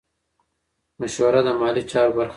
مشوره د مالي چارو برخه ده.